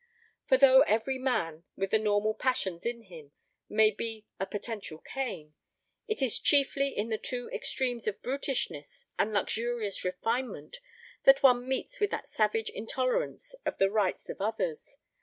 For though every man with the normal passions in him may be a potential Cain, it is chiefly in the two extremes of brutishness and luxurious refinement that one meets with that savage intolerance of the rights of others.